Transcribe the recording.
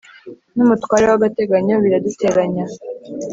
N'umutware w'agateganyo biraduteranya: